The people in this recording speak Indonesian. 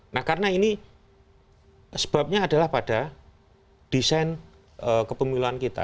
nah karena ini sebabnya adalah pada desain kepemiluan kita